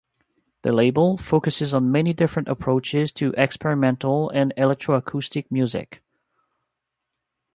The label focuses on many different approaches to experimental and electroacoustic music.